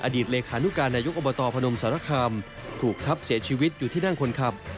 ตเลขานุการนายกอบตพนมสารคามถูกทับเสียชีวิตอยู่ที่นั่งคนขับ